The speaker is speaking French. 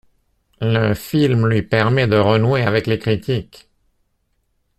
Le film lui permet de renouer avec les critiques.